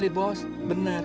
iya bos benar